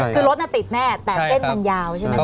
คือรถน่ะติดแน่แต่เส้นมันยาวใช่ไหมค